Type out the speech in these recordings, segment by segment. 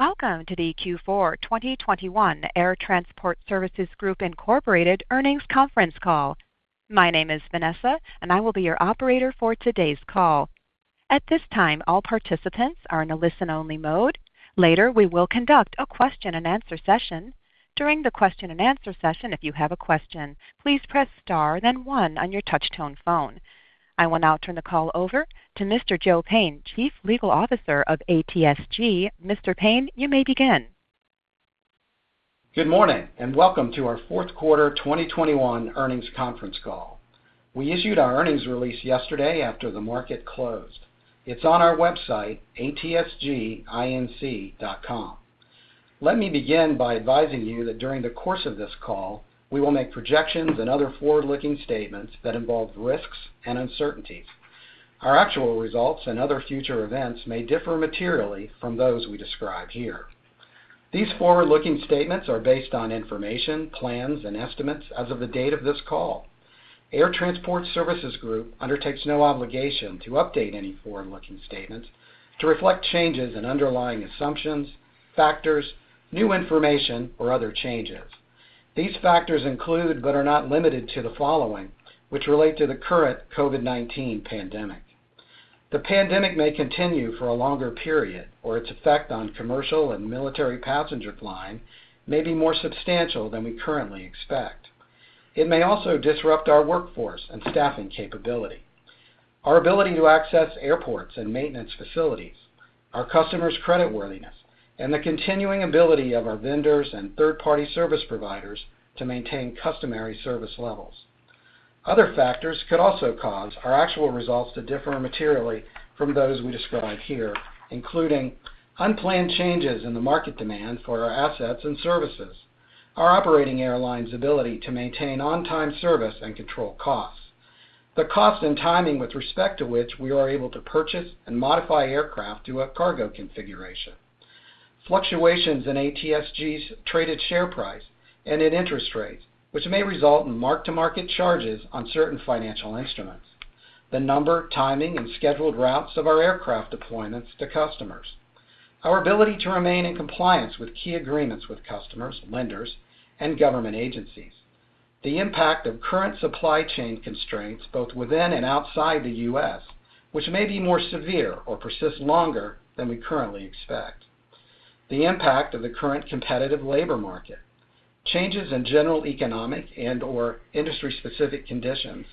Welcome to the Q4 2021 Air Transport Services Group, Inc. earnings conference call. My name is Vanessa, and I will be your operator for today's call. At this time, all participants are in a listen-only mode. Later, we will conduct a question-and-answer session. During the question-and-answer session, if you have a question, please press star then one on your touchtone phone. I will now turn the call over to Mr. Joe Payne, Chief Legal Officer of ATSG. Mr. Payne, you may begin. Good morning, and welcome to our fourth quarter 2021 earnings conference call. We issued our earnings release yesterday after the market closed. It's on our website, atsginc.com. Let me begin by advising you that during the course of this call, we will make projections and other forward-looking statements that involve risks and uncertainties. Our actual results and other future events may differ materially from those we describe here. These forward-looking statements are based on information, plans, and estimates as of the date of this call. Air Transport Services Group undertakes no obligation to update any forward-looking statements to reflect changes in underlying assumptions, factors, new information, or other changes. These factors include, but are not limited to, the following, which relate to the current COVID-19 pandemic. The pandemic may continue for a longer period or its effect on commercial and military passenger flying may be more substantial than we currently expect. It may also disrupt our workforce and staffing capability, our ability to access airports and maintenance facilities, our customers' creditworthiness, and the continuing ability of our vendors and third-party service providers to maintain customary service levels. Other factors could also cause our actual results to differ materially from those we describe here, including unplanned changes in the market demand for our assets and services, our operating airlines' ability to maintain on-time service and control costs, the cost and timing with respect to which we are able to purchase and modify aircraft to a cargo configuration. Fluctuations in ATSG's traded share price and in interest rates, which may result in mark-to-market charges on certain financial instruments, the number, timing, and scheduled routes of our aircraft deployments to customers, our ability to remain in compliance with key agreements with customers, lenders, and government agencies, the impact of current supply chain constraints both within and outside the U.S., which may be more severe or persist longer than we currently expect, the impact of the current competitive labor market, changes in general economic and/or industry-specific conditions,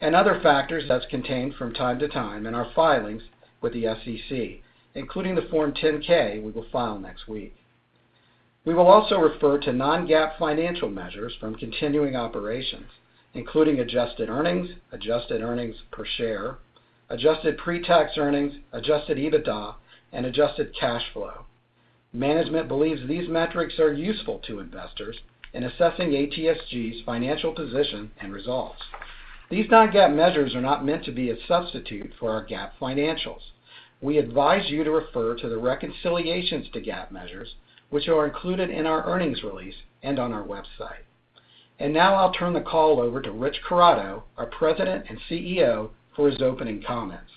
and other factors as contained from time to time in our filings with the SEC, including the Form 10-K we will file next week. We will also refer to non-GAAP financial measures from continuing operations, including adjusted earnings, adjusted earnings per share, adjusted pretax earnings, adjusted EBITDA, and adjusted cash flow. Management believes these metrics are useful to investors in assessing ATSG's financial position and results. These non-GAAP measures are not meant to be a substitute for our GAAP financials. We advise you to refer to the reconciliations to GAAP measures, which are included in our earnings release and on our website. Now I'll turn the call over to Rich Corrado, our President and CEO, for his opening comments.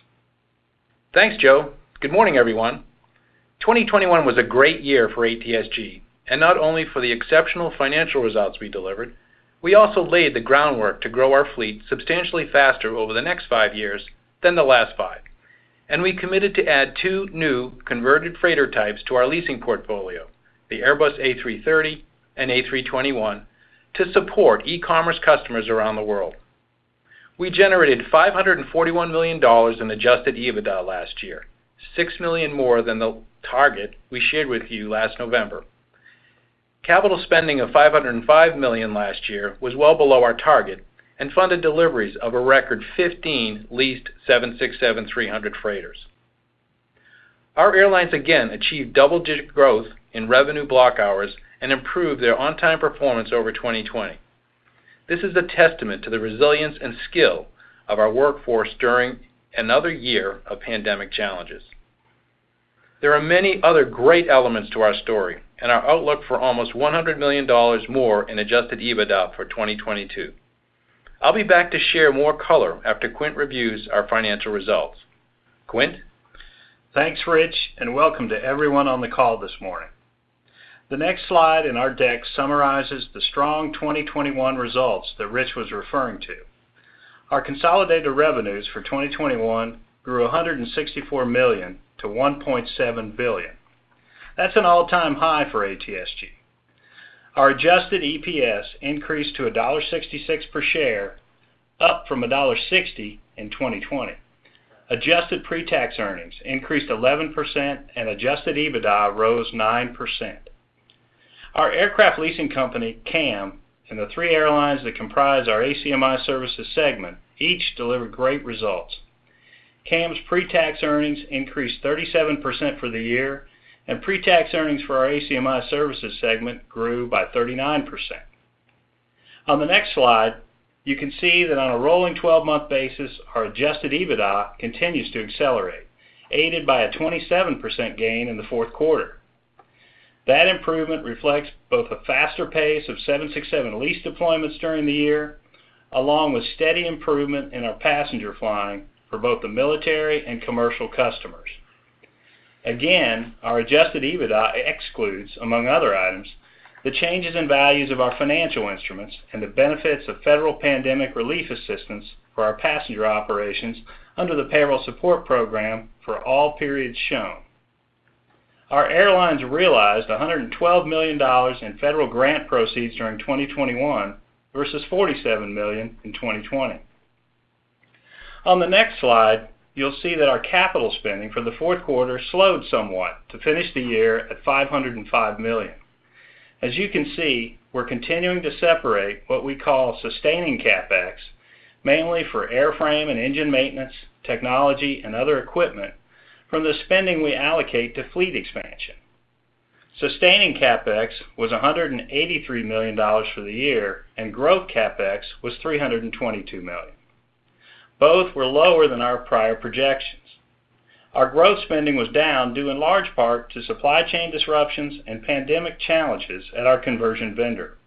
Thanks, Joe. Good morning, everyone. 2021 was a great year for ATSG, and not only for the exceptional financial results we delivered. We also laid the groundwork to grow our fleet substantially faster over the next five years than the last five. We committed to add two new converted freighter types to our leasing portfolio, the Airbus A330 and A321, to support e-commerce customers around the world. We generated $541 million in adjusted EBITDA last year, $6 million more than the target we shared with you last November. Capital spending of $505 million last year was well below our target and funded deliveries of a record 15 leased 767-300 freighters. Our airlines again achieved double-digit growth in revenue block hours and improved their on-time performance over 2020. This is a testament to the resilience and skill of our workforce during another year of pandemic challenges. There are many other great elements to our story and our outlook for almost $100 million more in adjusted EBITDA for 2022. I'll be back to share more color after Quint reviews our financial results. Quint? Thanks, Rich, and welcome to everyone on the call this morning. The next slide in our deck summarizes the strong 2021 results that Rich was referring to. Our consolidated revenues for 2021 grew $164 million-$1.7 billion. That's an all-time high for ATSG. Our adjusted EPS increased to $1.66 per share, up from $1.60 in 2020. Adjusted pretax earnings increased 11%, and adjusted EBITDA rose 9%. Our aircraft leasing company, CAM, and the three airlines that comprise our ACMI Services segment each delivered great results. CAM's pretax earnings increased 37% for the year, and pretax earnings for our ACMI Services segment grew by 39%. On the next slide, you can see that on a rolling twelve-month basis, our adjusted EBITDA continues to accelerate, aided by a 27% gain in the fourth quarter. That improvement reflects both a faster pace of 767 lease deployments during the year, along with steady improvement in our passenger flying for both the military and commercial customers. Again, our adjusted EBITDA excludes, among other items, the changes in values of our financial instruments and the benefits of federal pandemic relief assistance for our passenger operations under the payroll support program for all periods shown. Our airlines realized $112 million in federal grant proceeds during 2021 versus $47 million in 2020. On the next slide, you'll see that our capital spending for the fourth quarter slowed somewhat to finish the year at $505 million. As you can see, we're continuing to separate what we call sustaining CapEx, mainly for airframe and engine maintenance, technology, and other equipment from the spending we allocate to fleet expansion. Sustaining CapEx was $183 million for the year, and growth CapEx was $322 million. Both were lower than our prior projections. Our growth spending was down due in large part to supply chain disruptions and pandemic challenges at our conversion vendor.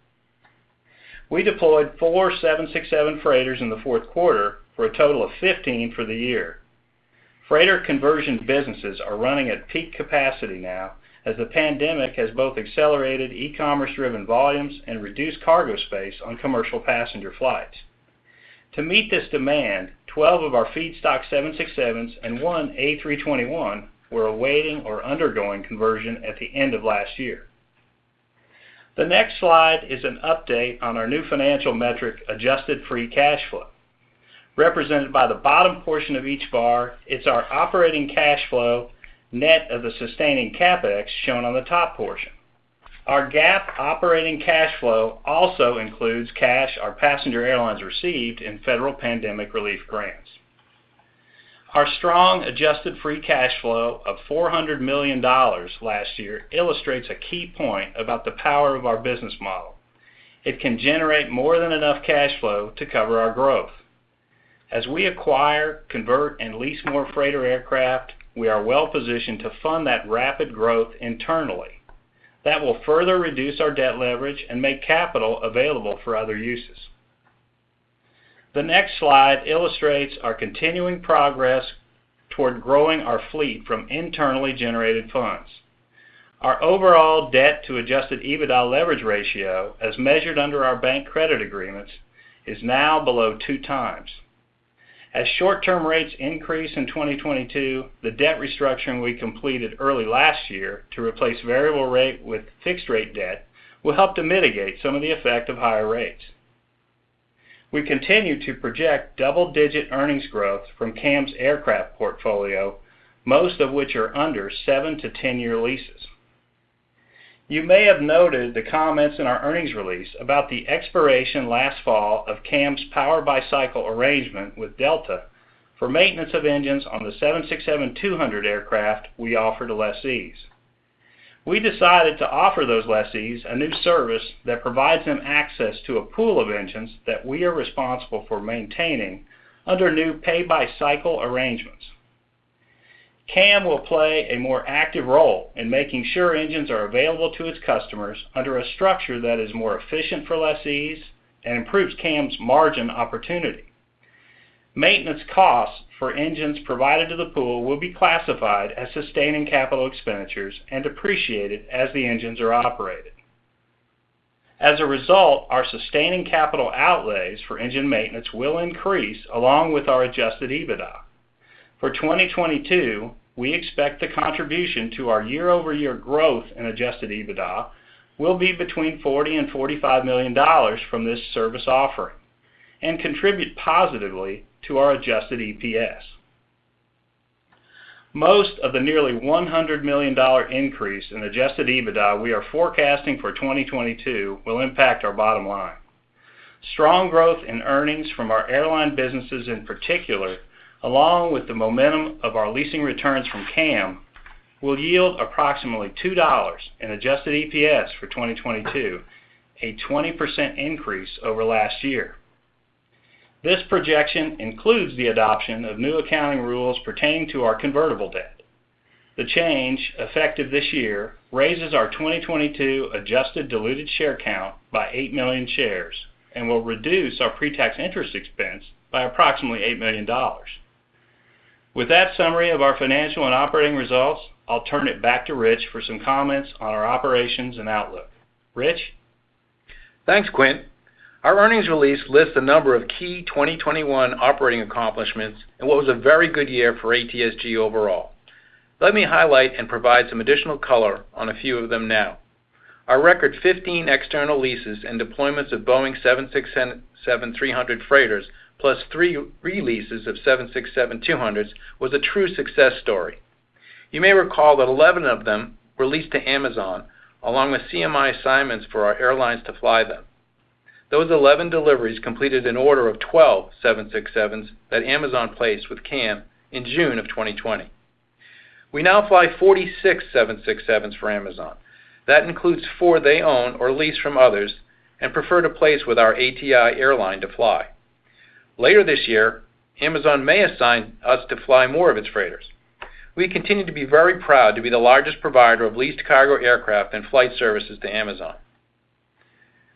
We deployed four 767 freighters in the fourth quarter for a total of 15 for the year. Freighter conversion businesses are running at peak capacity now as the pandemic has both accelerated e-commerce-driven volumes and reduced cargo space on commercial passenger flights. To meet this demand, 12 of our feedstock 767s and one A321 were awaiting or undergoing conversion at the end of last year. The next slide is an update on our new financial metric, adjusted free cash flow. Represented by the bottom portion of each bar, it's our operating cash flow net of the sustaining CapEx shown on the top portion. Our GAAP operating cash flow also includes cash our passenger airlines received in federal pandemic relief grants. Our strong adjusted free cash flow of $400 million last year illustrates a key point about the power of our business model. It can generate more than enough cash flow to cover our growth. As we acquire, convert, and lease more freighter aircraft, we are well positioned to fund that rapid growth internally. That will further reduce our debt leverage and make capital available for other uses. The next slide illustrates our continuing progress toward growing our fleet from internally generated funds. Our overall debt to adjusted EBITDA leverage ratio, as measured under our bank credit agreements, is now below two times. As short-term rates increase in 2022, the debt restructuring we completed early last year to replace variable rate with fixed rate debt will help to mitigate some of the effect of higher rates. We continue to project double-digit earnings growth from CAM's aircraft portfolio, most of which are under seven to 10-year leases. You may have noted the comments in our earnings release about the expiration last fall of CAM's power-by-cycle arrangement with Delta for maintenance of engines on the 767-200 aircraft we offer to lessees. We decided to offer those lessees a new service that provides them access to a pool of engines that we are responsible for maintaining under new pay-by-cycle arrangements. CAM will play a more active role in making sure engines are available to its customers under a structure that is more efficient for lessees and improves CAM's margin opportunity. Maintenance costs for engines provided to the pool will be classified as sustaining capital expenditures and depreciated as the engines are operated. As a result, our sustaining capital outlays for engine maintenance will increase along with our adjusted EBITDA. For 2022, we expect the contribution to our year-over-year growth in adjusted EBITDA will be between $40 million and $45 million from this service offering and contribute positively to our adjusted EPS. Most of the nearly $100 million increase in adjusted EBITDA we are forecasting for 2022 will impact our bottom line. Strong growth in earnings from our airline businesses in particular, along with the momentum of our leasing returns from CAM, will yield approximately $2 in adjusted EPS for 2022, a 20% increase over last year. This projection includes the adoption of new accounting rules pertaining to our convertible debt. The change, effective this year, raises our 2022 adjusted diluted share count by eight million shares and will reduce our pretax interest expense by approximately $8 million. With that summary of our financial and operating results, I'll turn it back to Rich for some comments on our operations and outlook. Rich? Thanks, Quint. Our earnings release lists a number of key 2021 operating accomplishments in what was a very good year for ATSG overall. Let me highlight and provide some additional color on a few of them now. Our record 15 external leases and deployments of Boeing 767-300 freighters plus three releases of 767-200s was a true success story. You may recall that 11 of them were leased to Amazon along with CMI assignments for our airlines to fly them. Those 11 deliveries completed an order of 12 767s that Amazon placed with CAM in June of 2020. We now fly 46 767s for Amazon. That includes four they own or lease from others and prefer to place with our ATI airline to fly. Later this year, Amazon may assign us to fly more of its freighters. We continue to be very proud to be the largest provider of leased cargo aircraft and flight services to Amazon.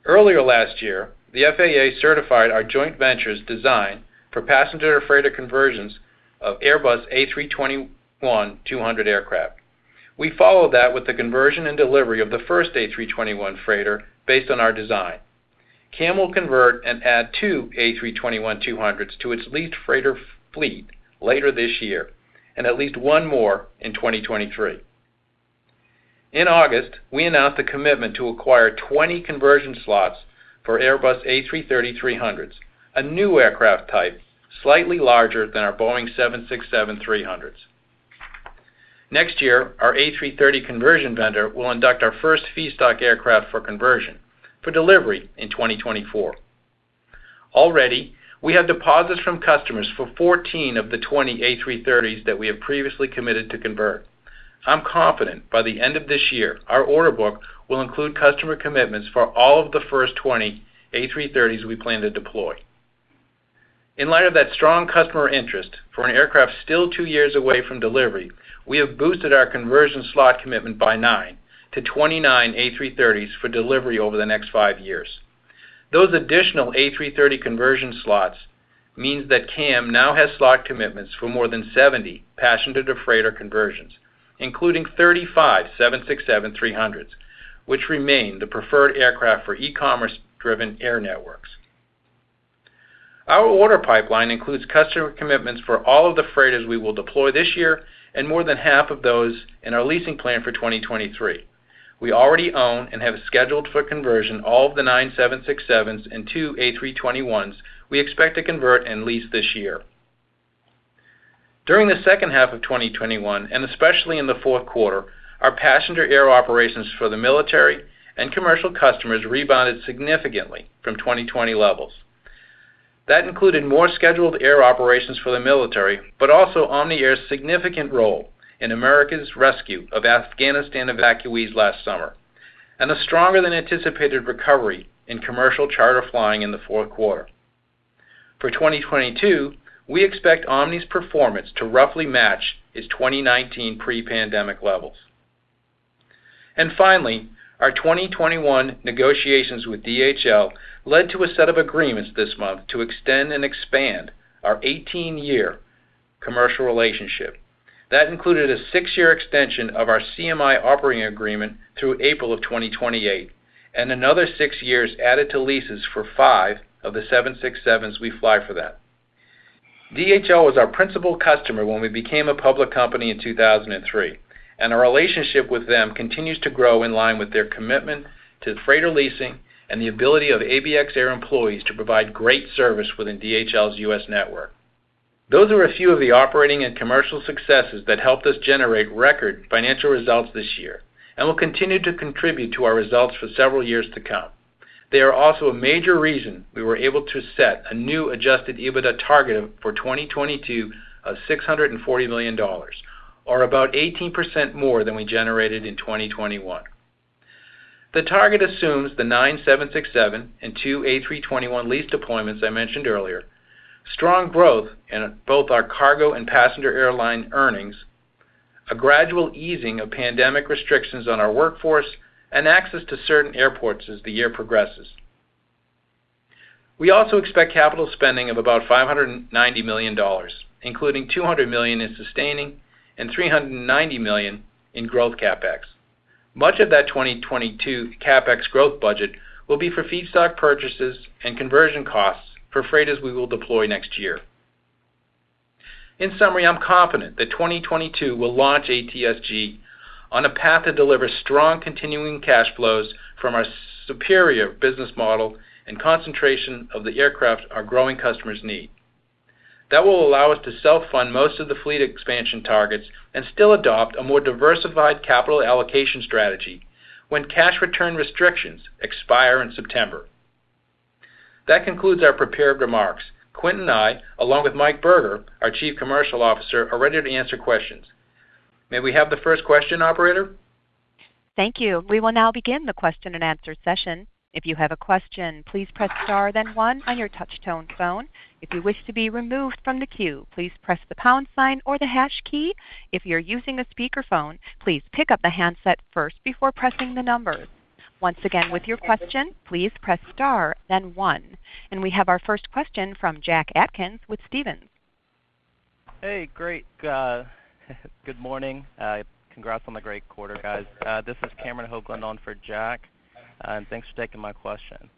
Earlier last year, the FAA certified our joint venture's design for passenger freighter conversions of Airbus A321-200 aircraft. We followed that with the conversion and delivery of the first A321 freighter based on our design. CAM will convert and add two A321-200s to its leased freighter fleet later this year, and at least one more in 2023. In August, we announced the commitment to acquire 20 conversion slots for Airbus A330-300s, a new aircraft type slightly larger than our Boeing 767-300s. Next year, our A330 conversion vendor will induct our first feedstock aircraft for conversion for delivery in 2024. Already, we have deposits from customers for 14 of the 20 A330s that we have previously committed to convert. I'm confident by the end of this year, our order book will include customer commitments for all of the first 20 A330s we plan to deploy. In light of that strong customer interest for an aircraft still two years away from delivery, we have boosted our conversion slot commitment by nine to 29 A330s for delivery over the next five years. Those additional A330 conversion slots means that CAM now has slot commitments for more than 70 passenger-to-freighter conversions, including 35 767-300s, which remain the preferred aircraft for e-commerce driven air networks. Our order pipeline includes customer commitments for all of the freighters we will deploy this year and more than half of those in our leasing plan for 2023. We already own and have scheduled for conversion all of the nine 767s and two A321s we expect to convert and lease this year. During the second half of 2021, and especially in the fourth quarter, our passenger air operations for the military and commercial customers rebounded significantly from 2020 levels. That included more scheduled air operations for the military, but also Omni Air's significant role in America's rescue of Afghanistan evacuees last summer, and a stronger than anticipated recovery in commercial charter flying in the fourth quarter. For 2022, we expect Omni's performance to roughly match its 2019 pre-pandemic levels. Finally, our 2021 negotiations with DHL led to a set of agreements this month to extend and expand our eighteen-year commercial relationship. That included a six-year extension of our CMI operating agreement through April of 2028 and another six years added to leases for five of the 767s we fly for them. DHL was our principal customer when we became a public company in 2003, and our relationship with them continues to grow in line with their commitment to freighter leasing and the ability of ABX Air employees to provide great service within DHL's U.S. network. Those are a few of the operating and commercial successes that helped us generate record financial results this year and will continue to contribute to our results for several years to come. They are also a major reason we were able to set a new adjusted EBITDA target for 2022 of $640 million, or about 18% more than we generated in 2021. The target assumes the 767 and two A321 lease deployments I mentioned earlier, strong growth in both our cargo and passenger airline earnings, a gradual easing of pandemic restrictions on our workforce, and access to certain airports as the year progresses. We also expect capital spending of about $590 million, including $200 million in sustaining and $390 million in growth CapEx. Much of that 2022 CapEx growth budget will be for feedstock purchases and conversion costs for freighters we will deploy next year. In summary, I'm confident that 2022 will launch ATSG on a path to deliver strong continuing cash flows from our superior business model and constellation of the aircraft our growing customers need. That will allow us to self-fund most of the fleet expansion targets and still adopt a more diversified capital allocation strategy when cash return restrictions expire in September. That concludes our prepared remarks. Quint and I, along with Mike Berger, our Chief Commercial Officer, are ready to answer questions. May we have the first question, operator? Thank you. We will now begin the question and answer session. If you have a question, please press star then one on your touch tone phone. If you wish to be removed from the queue, please press the pound sign or the hash key. If you're using a speakerphone, please pick up the handset first before pressing the numbers. Once again, with your question, please press star then one. We have our first question from Jack Atkins with Stephens. Hey, great. Good morning. Congrats on the great quarter, guys. This is Cameron Hoagland on for Jack, and thanks for taking my question.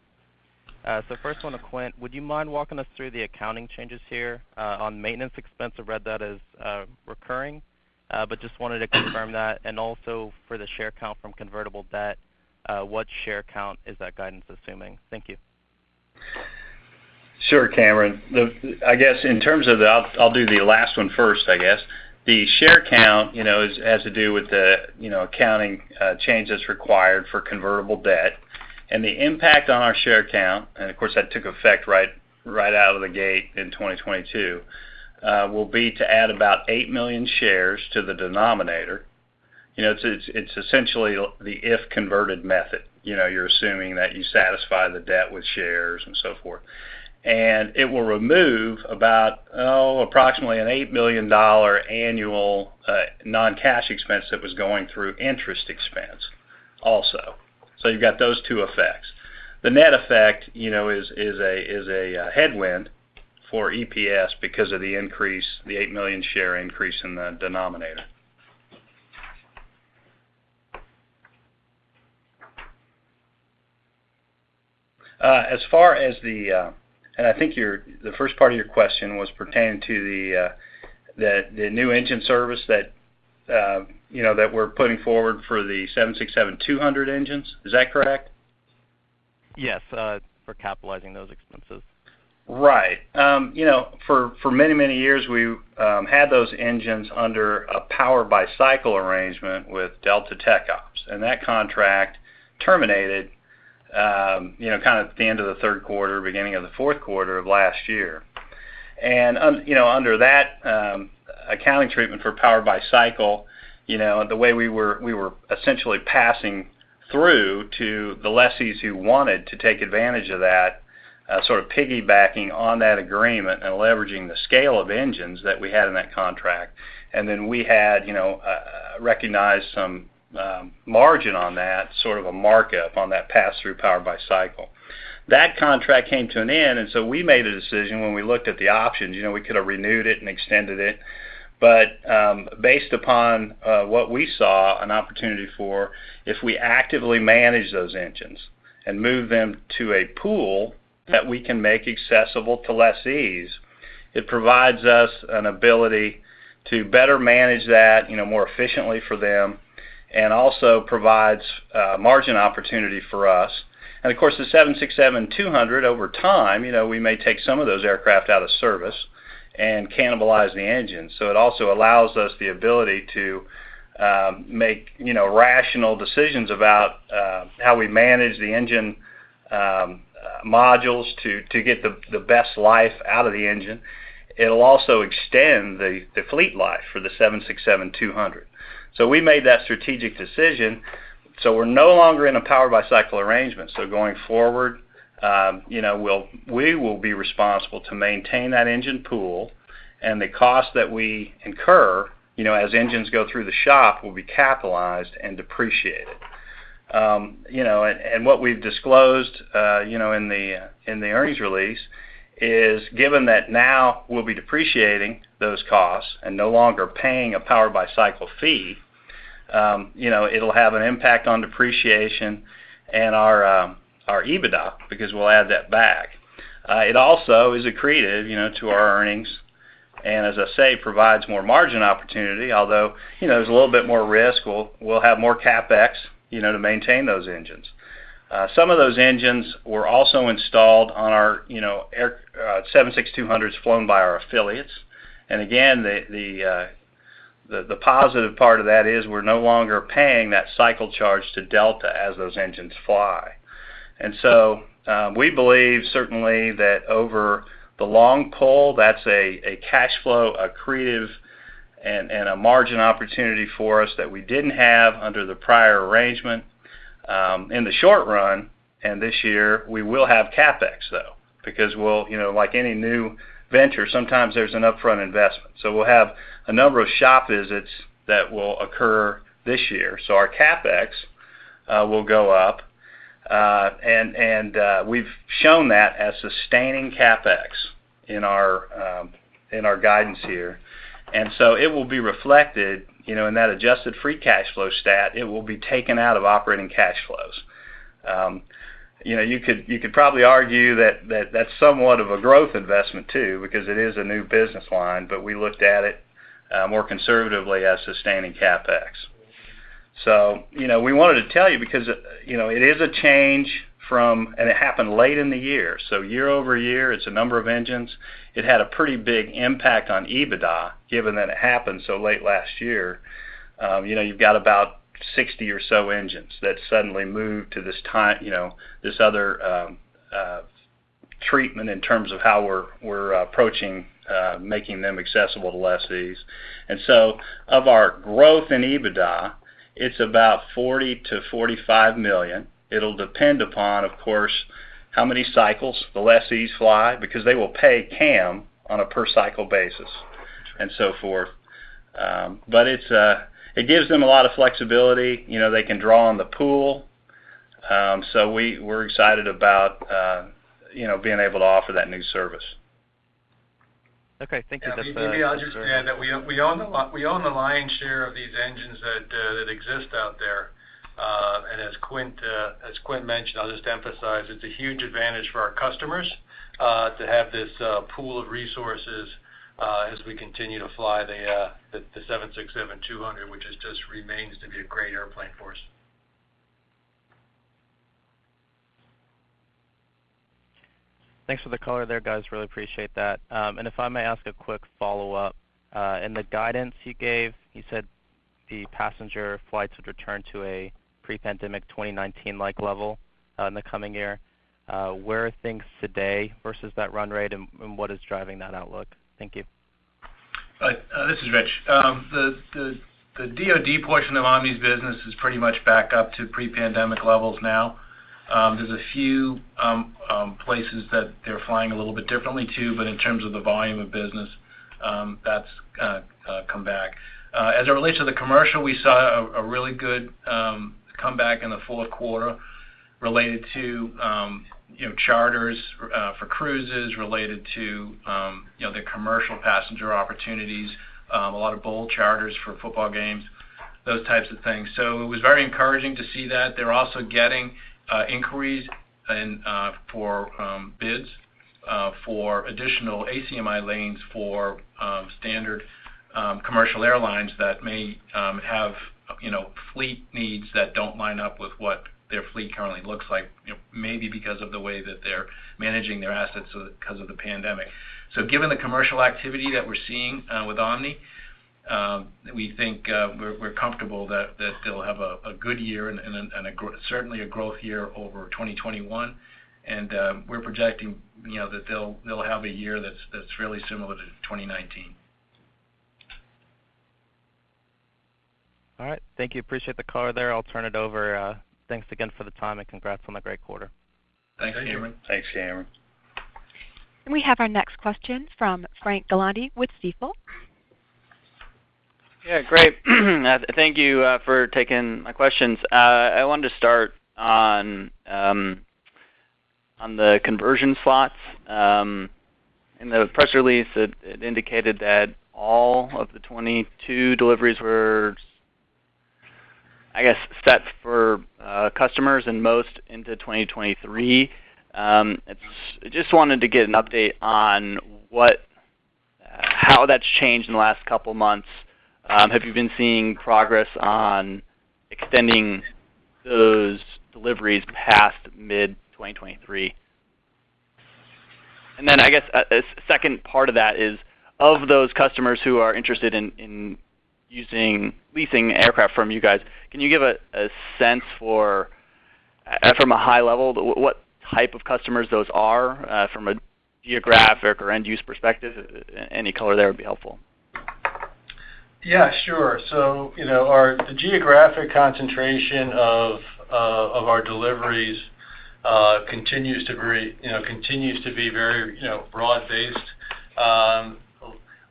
First one to Quint. Would you mind walking us through the accounting changes here on maintenance expense? I read that as recurring, but just wanted to confirm that. Also for the share count from convertible debt, what share count is that guidance assuming? Thank you. Sure, Cameron. I guess in terms of the, I'll do the last one first, I guess. The share count, you know, has to do with the, you know, accounting changes required for convertible debt. The impact on our share count, of course that took effect right out of the gate in 2022, will be to add about eight million shares to the denominator. You know, it's essentially the if-converted method. You know, you're assuming that you satisfy the debt with shares and so forth. It will remove approximately $8 million annual non-cash expense that was going through interest expense also. So you've got those two effects. The net effect, you know, is a headwind for EPS because of the increase, the eight million share increase in the denominator. As far as the first part of your question was pertaining to the new engine service that you know that we're putting forward for the 767-200 engines. Is that correct? Yes, for capitalizing those expenses. Right. You know, for many years, we had those engines under a power-by-the-cycle arrangement with Delta TechOps, and that contract terminated kind of at the end of the third quarter, beginning of the fourth quarter of last year. Under that accounting treatment for power-by-the-cycle, you know, the way we were, we were essentially passing through to the lessees who wanted to take advantage of that, sort of piggybacking on that agreement and leveraging the scale of engines that we had in that contract. We had recognized some margin on that sort of a markup on that pass-through power-by-the-cycle. That contract came to an end, and we made a decision when we looked at the options, you know, we could have renewed it and extended it. based upon what we saw an opportunity for, if we actively manage those engines and move them to a pool that we can make accessible to lessees, it provides us an ability to better manage that, you know, more efficiently for them, and also provides margin opportunity for us. Of course, the 767-200 over time, you know, we may take some of those aircraft out of service and cannibalize the engine. It also allows us the ability to make, you know, rational decisions about how we manage the engine modules to get the best life out of the engine. It'll also extend the fleet life for the 767-200. We made that strategic decision, so we're no longer in a power-by-the-cycle arrangement. Going forward, you know, we will be responsible to maintain that engine pool, and the cost that we incur, you know, as engines go through the shop, will be capitalized and depreciated. And what we've disclosed, you know, in the earnings release is, given that now we'll be depreciating those costs and no longer paying a power-by-the-cycle fee, you know, it'll have an impact on depreciation and our EBITDA because we'll add that back. It also is accretive, you know, to our earnings, and as I say, provides more margin opportunity, although, you know, there's a little bit more risk. We'll have more CapEx, you know, to maintain those engines. Some of those engines were also installed on our, you know, 767-200s flown by our affiliates. The positive part of that is we're no longer paying that cycle charge to Delta as those engines fly. We believe certainly that over the long haul, that's a cash flow accretive and a margin opportunity for us that we didn't have under the prior arrangement. In the short run, and this year, we will have CapEx, though, because we'll, you know, like any new venture, sometimes there's an upfront investment. We'll have a number of shop visits that will occur this year. Our CapEx will go up. We've shown that as sustaining CapEx in our guidance here. It will be reflected, you know, in that adjusted free cash flow stat. It will be taken out of operating cash flows. You know, you could probably argue that that's somewhat of a growth investment too because it is a new business line, but we looked at it more conservatively as sustaining CapEx. You know, we wanted to tell you because you know, it is a change from it happened late in the year. Year-over-year, it's a number of engines. It had a pretty big impact on EBITDA, given that it happened so late last year. You know, you've got about 60 or so engines that suddenly moved to this you know, this other treatment in terms of how we're approaching making them accessible to lessees. Of our growth in EBITDA, it's about $40 million-$45 million. It'll depend upon, of course, how many cycles the lessees fly because they will pay CAM on a per cycle basis and so forth. It gives them a lot of flexibility. You know, they can draw on the pool. We're excited about, you know, being able to offer that new service. Okay. Thank you. Yeah, maybe I'll just add that we own the lion's share of these engines that exist out there. As Quint mentioned, I'll just emphasize it's a huge advantage for our customers to have this pool of resources as we continue to fly the 767-200, which just remains to be a great airplane for us. Thanks for the color there, guys. Really appreciate that. If I may ask a quick follow-up. In the guidance you gave, you said the passenger flights would return to a pre-pandemic 2019-like level in the coming year. Where are things today versus that run rate, and what is driving that outlook? Thank you. This is Rich. The DOD portion of Omni's business is pretty much back up to pre-pandemic levels now. There's a few places that they're flying a little bit differently to, but in terms of the volume of business, that's come back. As it relates to the commercial, we saw a really good comeback in the fourth quarter related to, you know, charters for cruises related to, you know, the commercial passenger opportunities, a lot of bowl charters for football games, those types of things. It was very encouraging to see that. They're also getting inquiries and for bids for additional ACMI lanes for standard commercial airlines that may have, you know, fleet needs that don't line up with what their fleet currently looks like, you know, maybe because of the way that they're managing their assets because of the pandemic. Given the commercial activity that we're seeing with Omni, we think we're comfortable that they'll have a good year and then certainly a growth year over 2021. We're projecting, you know, that they'll have a year that's really similar to 2019. All right. Thank you. Appreciate the color there. I'll turn it over. Thanks again for the time, and congrats on the great quarter. Thanks, Cameron. Thank you. Thanks, Cameron. We have our next question from Frank Galanti with Stifel. Yeah. Great. Thank you for taking my questions. I wanted to start on the conversion slots. In the press release, it indicated that all of the 22 deliveries were, I guess, set for customers and most into 2023. I just wanted to get an update on how that's changed in the last couple of months. Have you been seeing progress on extending those deliveries past mid-2023? I guess a second part of that is, of those customers who are interested in leasing aircraft from you guys, can you give a sense for, from a high level, what type of customers those are, from a geographic or end-use perspective? Any color there would be helpful. Yeah, sure. The geographic concentration of our deliveries continues to be, you know, very, you know, broad-based.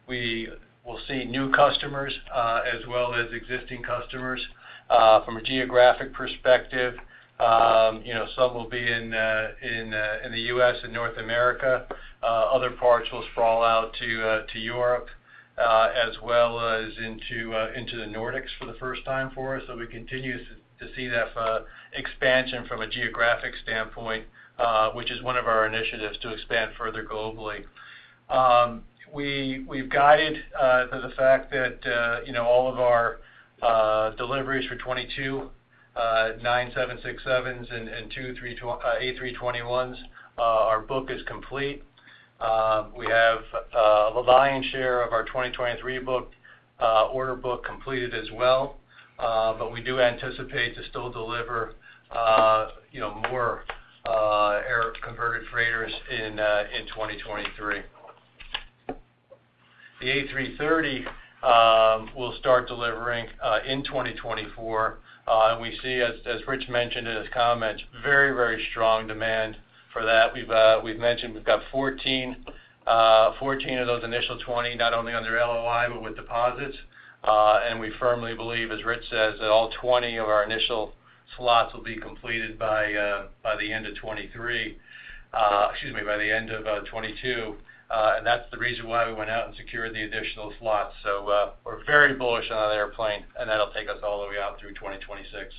We will see new customers as well as existing customers from a geographic perspective. You know, some will be in the U.S. and North America. Other parts will sprawl out to Europe as well as into the Nordics for the first time for us. We continue to see that expansion from a geographic standpoint, which is one of our initiatives to expand further globally. We've guided to the fact that, you know, all of our deliveries for 2022, nine 767s and two A321s, our book is complete. We have the lion's share of our 2023 order book completed as well. We do anticipate to still deliver, you know, more air converted freighters in 2023. The A330 will start delivering in 2024. We see, as Rich mentioned in his comments, very, very strong demand for that. We've mentioned we've got 14 of those initial 20, not only under LOI, but with deposits. We firmly believe, as Rich says, that all 20 of our initial slots will be completed by the end of 2023, excuse me, by the end of 2022. That's the reason why we went out and secured the additional slots. We're very bullish on that airplane, and that'll take us all the way out through 2026.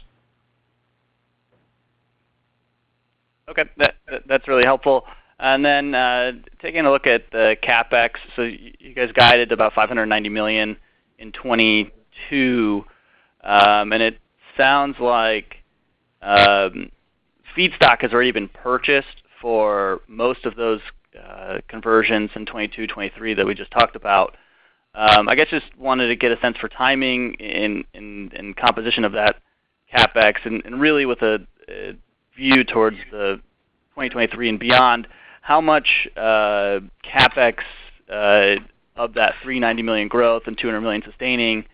Okay. That's really helpful. Then taking a look at the CapEx, you guys guided about $590 million in 2022. It sounds like feedstock has already been purchased for most of those conversions in 2022, 2023 that we just talked about. I guess just wanted to get a sense for timing and composition of that CapEx and really with a view towards 2023 and beyond, how much CapEx of that $390 million growth and $200 million sustaining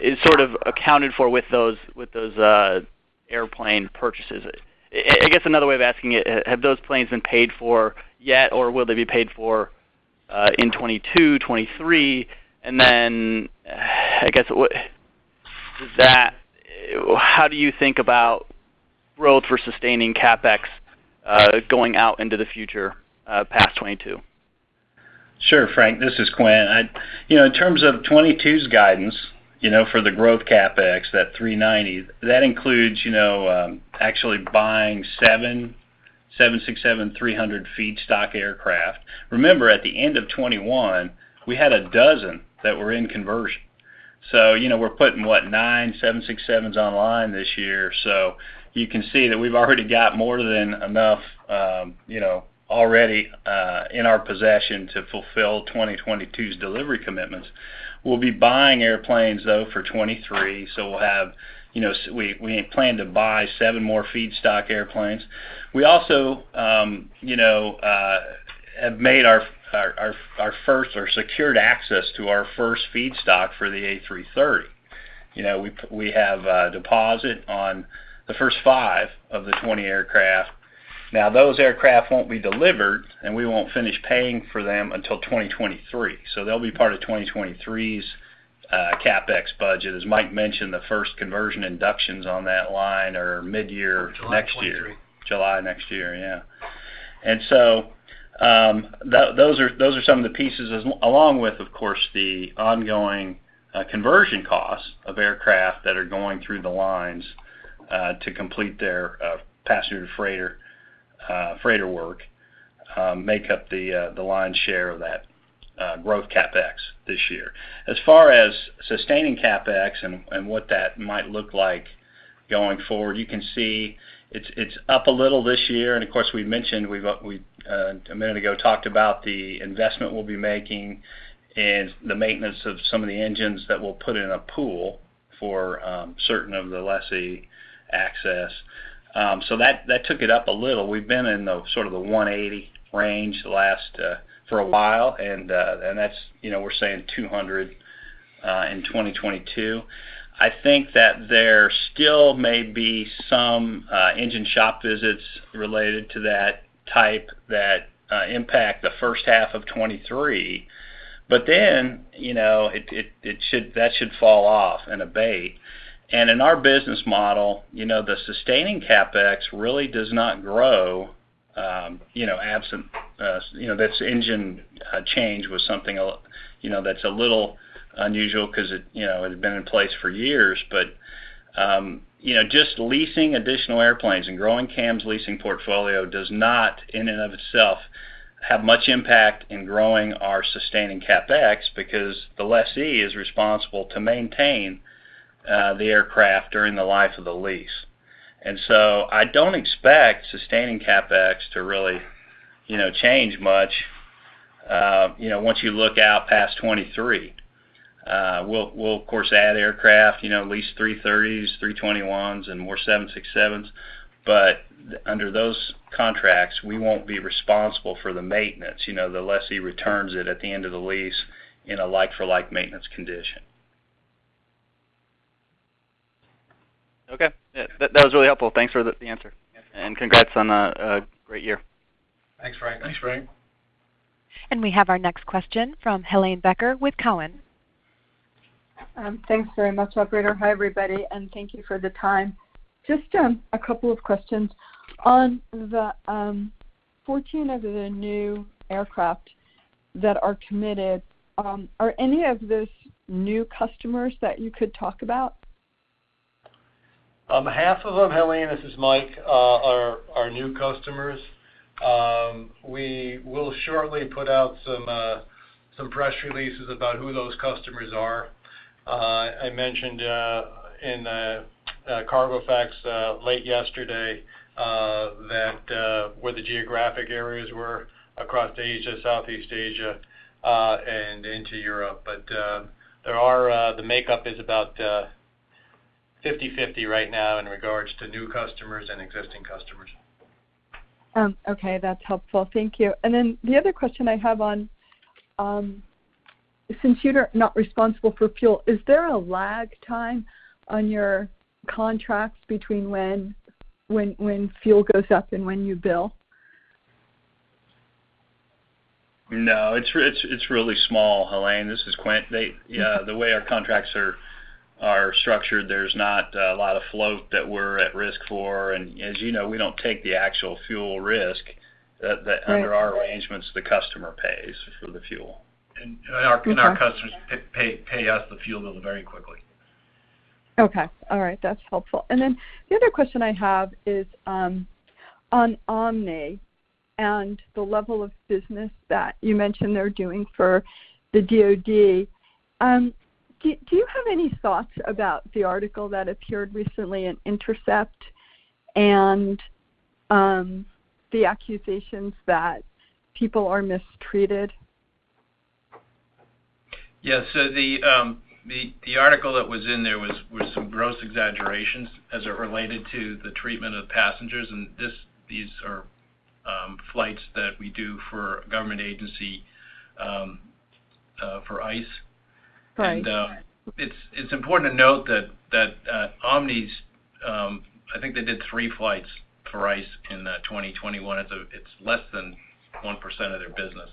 is accounted for with those airplane purchases? I guess another way of asking it, have those planes been paid for yet, or will they be paid for in 2022, 2023? I guess, with that, how do you think about growth for sustaining CapEx, going out into the future, past 2022? Sure, Frank. This is Quint. You know, in terms of 2022's guidance, you know, for the growth CapEx, that $390 million includes, you know, actually buying seven 767-300 feedstock aircraft. Remember, at the end of 2021, we had a dozen that were in conversion. You know, we're putting, what, nine 767s online this year. So you can see that we've already got more than enough, you know, already in our possession to fulfill 2022's delivery commitments. We'll be buying airplanes, though, for 2023, so we plan to buy seven more feedstock airplanes. We also have secured access to our first feedstock for the A330. We have a deposit on the first five of the 20 aircraft. Now, those aircraft won't be delivered, and we won't finish paying for them until 2023. So they'll be part of 2023's CapEx budget. As Mike mentioned, the first conversion inductions on that line are midyear next year. July of 2023. July next year, yeah. Those are some of the pieces, along with, of course, the ongoing conversion costs of aircraft that are going through the lines to complete their passenger to freighter freighter work, make up the lion's share of that growth CapEx this year. As far as sustaining CapEx and what that might look like going forward, you can see it's up a little this year, and of course, we mentioned a minute ago we talked about the investment we'll be making and the maintenance of some of the engines that we'll put in a pool for certain of the lessee access. That took it up a little. We've been in the sort of 180 range the last for a while, and that's, you know, we're saying 200 in 2022. I think that there still may be some engine shop visits related to that type that impact the first half of 2023, but then, you know, it should fall off and abate. In our business model, you know, the sustaining CapEx really does not grow, you know, absent, you know, this engine change was something, you know, that's a little unusual 'cause it, you know, it had been in place for years. You know, just leasing additional airplanes and growing CAM's leasing portfolio does not, in and of itself, have much impact in growing our sustaining CapEx because the lessee is responsible to maintain the aircraft during the life of the lease. I don't expect sustaining CapEx to really, you know, change much once you look out past 2023. We'll of course add aircraft, you know, lease three thirties, three twenty-ones, and more seven six sevens, but under those contracts, we won't be responsible for the maintenance. You know, the lessee returns it at the end of the lease in a like-for-like maintenance condition. Okay. That was really helpful. Thanks for the answer. Yeah. Congrats on a great year. Thanks, Frank. Thanks, Frank. We have our next question from Helane Becker with Cowen. Thanks very much, operator. Hi, everybody, and thank you for the time. Just a couple of questions. On the 14 of the new aircraft that are committed, are any of those new customers that you could talk about? Half of them, Helene, this is Mike, are new customers. We will shortly put out some press releases about who those customers are. I mentioned in the Cargo Facts late yesterday that where the geographic areas were across Asia, Southeast Asia, and into Europe. The makeup is about 50/50 right now in regards to new customers and existing customers. Okay. That's helpful. Thank you. Then the other question I have on since you are not responsible for fuel, is there a lag time on your contracts between when fuel goes up and when you bill? No. It's really small, Helene. This is Quint. Yeah, the way our contracts are structured, there's not a lot of float that we're at risk for, and as you know, we don't take the actual fuel risk. Right Under our arrangements, the customer pays for the fuel. our- Okay Our customers pay us the fuel bill very quickly. Okay. All right. That's helpful. The other question I have is on Omni and the level of business that you mentioned they're doing for the DOD. Do you have any thoughts about the article that appeared recently in Intercept and the accusations that people are mistreated? Yeah. The article that was in there was some gross exaggerations as it related to the treatment of passengers, and these are flights that we do for a government agency for ICE. Right. It's important to note that Omni's, I think, they did three flights for ICE in 2021. It's less than 1% of their business,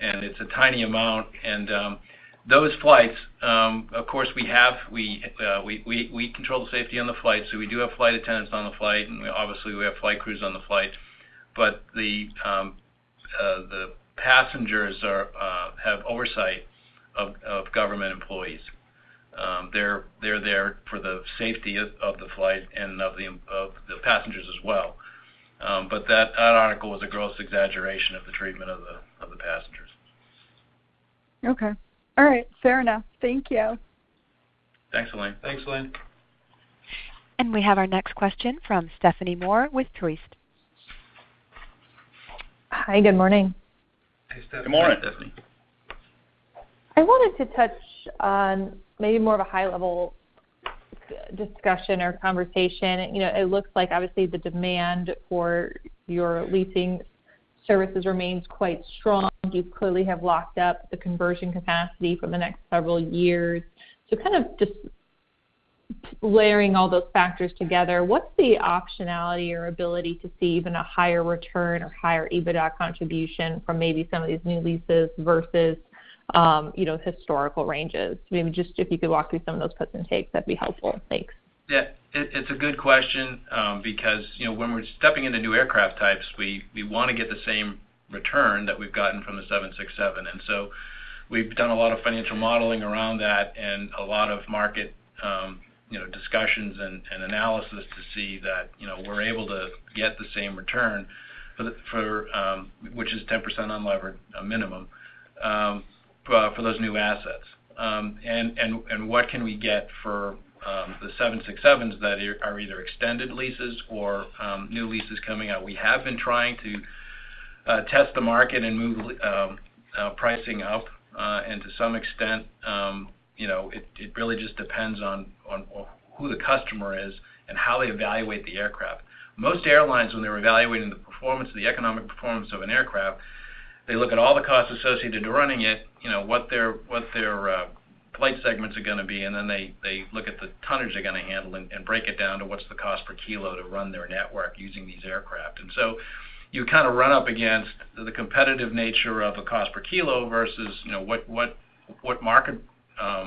and it's a tiny amount. Those flights, of course, we control the safety on the flight, so we do have flight attendants on the flight, and we obviously have flight crews on the flight. The passengers have oversight of government employees. They're there for the safety of the flight and of the passengers as well. That article was a gross exaggeration of the treatment of the passengers. Okay. All right. Fair enough. Thank you. Thanks, Helane. Thanks, Helane. We have our next question from Stephanie Moore with Truist. Hi, good morning. Hey, Stephanie. Good morning, Stephanie. I wanted to touch on maybe more of a high-level discussion or conversation. You know, it looks like obviously the demand for your leasing services remains quite strong. You clearly have locked up the conversion capacity for the next several years. Kind of just layering all those factors together, what's the optionality or ability to see even a higher return or higher EBITDA contribution from maybe some of these new leases versus, you know, historical ranges? Maybe just if you could walk through some of those puts and takes, that'd be helpful. Thanks. Yeah. It's a good question, because, you know, when we're stepping into new aircraft types, we wanna get the same return that we've gotten from the 767. We've done a lot of financial modeling around that and a lot of market, you know, discussions and analysis to see that, you know, we're able to get the same return for the, which is 10% unlevered, a minimum, for those new assets. And what can we get for the 767s that are either extended leases or new leases coming out. We have been trying to test the market and move pricing up, and to some extent, you know, it really just depends on who the customer is and how they evaluate the aircraft. Most airlines, when they're evaluating the performance or the economic performance of an aircraft, they look at all the costs associated to running it, you know, what their flight segments are gonna be, and then they look at the tonnage they're gonna handle and break it down to what's the cost per kilo to run their network using these aircraft. So you kind of run up against the competitive nature of a cost per kilo versus, you know, what market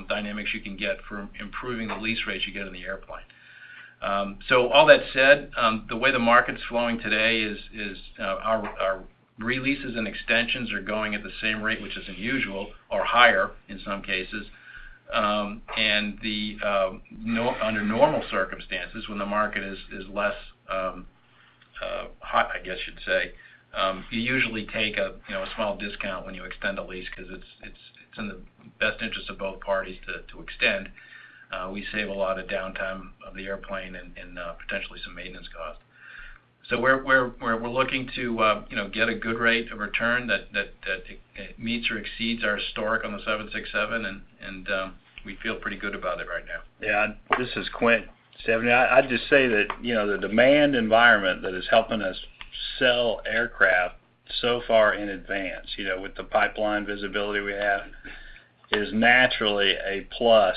dynamics you can get for improving the lease rates you get in the airplane. All that said, the way the market's flowing today is our releases and extensions are going at the same rate, which is unusual or higher in some cases. Under normal circumstances, when the market is less hot, I guess you'd say, you usually take a, you know, a small discount when you extend a lease 'cause it's in the best interest of both parties to extend. We save a lot of downtime of the airplane and potentially some maintenance cost. We're looking to, you know, get a good rate of return that it meets or exceeds our historic on the 767, and we feel pretty good about it right now. Yeah. This is Quint. Stephanie, I'd just say that, you know, the demand environment that is helping us sell aircraft so far in advance, you know, with the pipeline visibility we have, is naturally a plus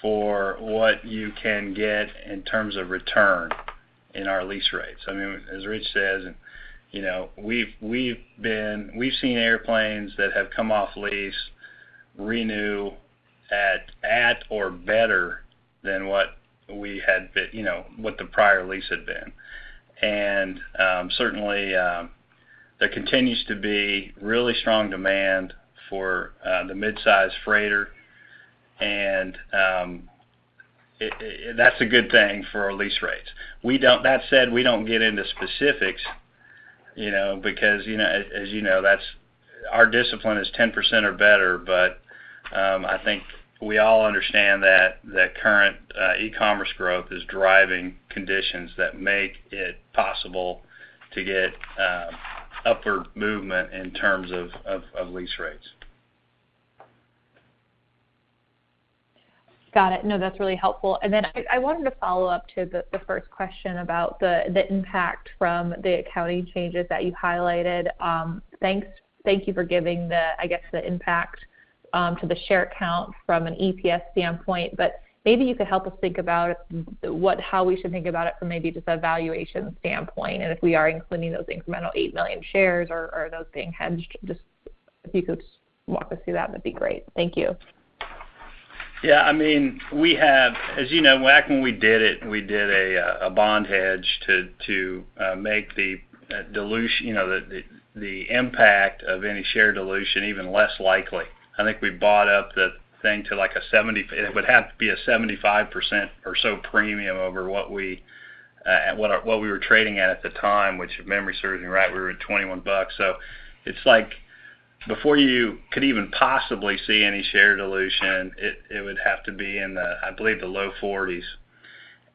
for what you can get in terms of return in our lease rates. I mean, as Rich says, and, you know, we've been. We've seen airplanes that have come off lease renew at or better than what we had been, you know, what the prior lease had been. Certainly, there continues to be really strong demand for the midsize freighter, and that's a good thing for our lease rates. We don't, that said, we don't get into specifics, you know, because, you know, as you know, that's our discipline is 10% or better. I think we all understand that the current e-commerce growth is driving conditions that make it possible to get upward movement in terms of lease rates. Got it. No, that's really helpful. Then I wanted to follow up to the first question about the impact from the accounting changes that you highlighted. Thanks. Thank you for giving the, I guess, the impact to the share count from an EPS standpoint, but maybe you could help us think about how we should think about it from maybe just a valuation standpoint, and if we are including those incremental eight million shares or those being hedged. Just if you could just walk us through that'd be great. Thank you. Yeah. I mean, as you know, back when we did it, we did a bond hedge to make you know, the impact of any share dilution even less likely. I think we bought up the thing to, like, a 75% or so premium over what we were trading at the time, which if memory serves me right, we were at $21. So it's like before you could even possibly see any share dilution, it would have to be in the, I believe, the low 40s.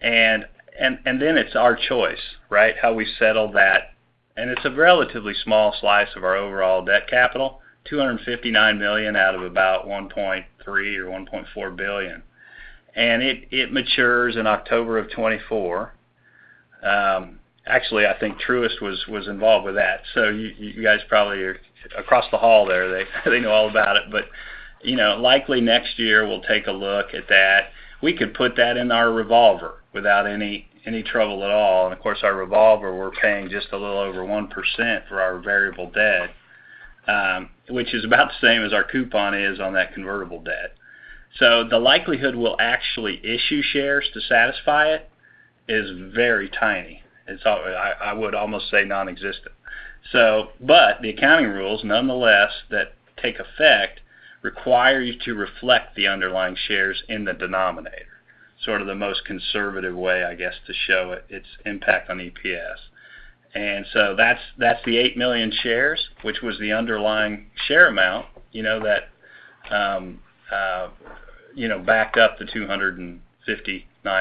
Then it's our choice, right? How we settle that, and it's a relatively small slice of our overall debt capital, $259 million out of about $1.3 billion or $1.4 billion. It matures in October of 2024. Actually, I think Truist was involved with that, so you guys probably are across the hall there. They know all about it. You know, likely next year we'll take a look at that. We could put that in our revolver without any trouble at all. Of course, our revolver, we're paying just a little over 1% for our variable debt, which is about the same as our coupon is on that convertible debt. The likelihood we'll actually issue shares to satisfy it is very tiny. It's all. I would almost say nonexistent. The accounting rules, nonetheless, that take effect require you to reflect the underlying shares in the denominator, sort of the most conservative way, I guess, to show its impact on EPS. That's the eight million shares, which was the underlying share amount, you know, that you know backed up to $259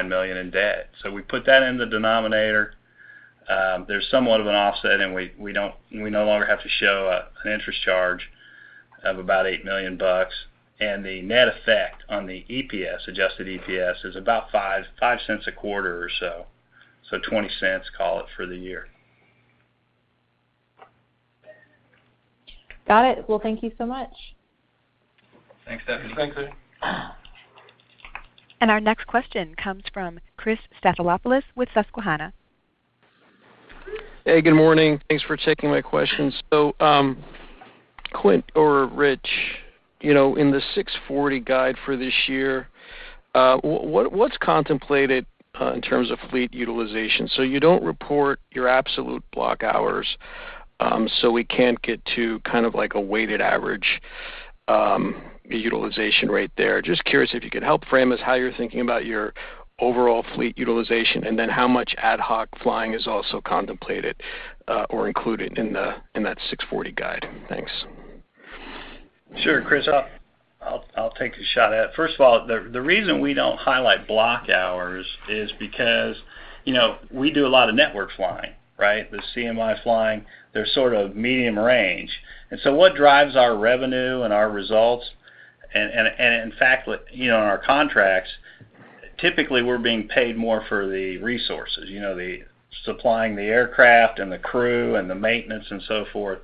million in debt. We put that in the denominator. There's somewhat of an offset, and we no longer have to show an interest charge of about $8 million. The net effect on the EPS, adjusted EPS, is about $0.05 a quarter or so. $0.20, call it, for the year. Got it. Well, thank you so much. Thanks, Stephanie. Thanks. Our next question comes from Christopher Stathoulopoulos with Susquehanna. Hey, good morning. Thanks for taking my questions. Quint or Rich, you know, in the $640 guide for this year, what's contemplated in terms of fleet utilization? You don't report your absolute block hours, so we can't get to kind of like a weighted average utilization rate there. Just curious if you could help frame us how you're thinking about your overall fleet utilization and then how much ad hoc flying is also contemplated or included in in that $640 guide. Thanks. Sure. Chris, I'll take a shot at. First of all, the reason we don't highlight block hours is because, you know, we do a lot of network flying, right? The CMI flying, they're sort of medium range. What drives our revenue and our results and in fact, you know, in our contracts, typically, we're being paid more for the resources, you know, the supplying the aircraft and the crew and the maintenance and so forth,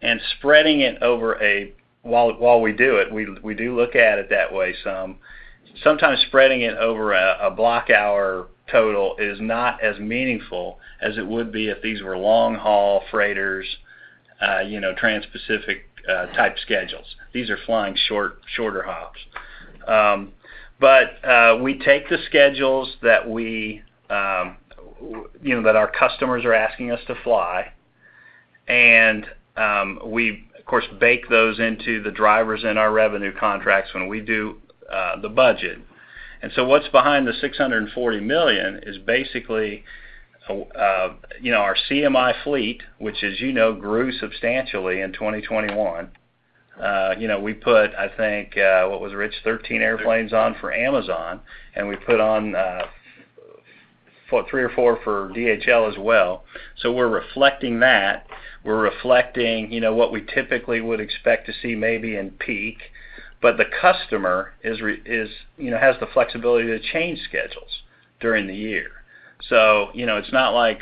and spreading it over a while. While we do it, we do look at it that way some. Sometimes spreading it over a block hour total is not as meaningful as it would be if these were long-haul freighters, you know, transpacific-type schedules. These are flying short hops. We take the schedules that we, you know, that our customers are asking us to fly, and, we, of course, bake those into the drivers in our revenue contracts when we do, the budget. What's behind the $640 million is basically, you know, our CMI fleet, which as you know grew substantially in 2021. You know, we put, I think, what was it Rich, 13 airplanes on for Amazon, and we put on, three or four for DHL as well. We're reflecting that. We're reflecting, you know, what we typically would expect to see maybe in peak, but the customer is, you know, has the flexibility to change schedules during the year. You know, it's not like,